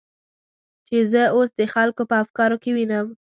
چې زه اوس د خلکو په افکارو کې وینم.